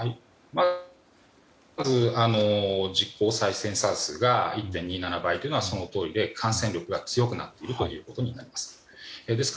まず、実効再生産数が１．２７倍というのはそのとおりで、感染力が強くなっているということになります。